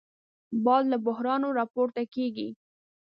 باد له بحرونو راپورته کېږي